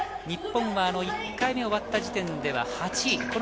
日本は１回目が終わった時点では８位。